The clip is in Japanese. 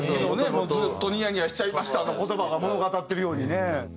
もう「ずっとニヤニヤしちゃいました」の言葉が物語ってるようにね。